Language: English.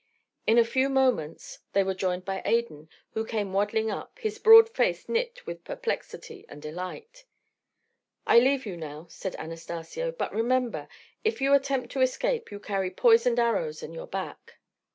In a few moments they were joined by Adan, who came waddling up, his broad face knit with perplexity and delight. "I leave you now," said Anastacio, "but remember if you attempt to escape you carry poisoned arrows in your backs."